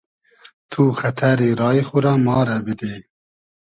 تو خئتئری رای خو رۂ ما رۂ بیدی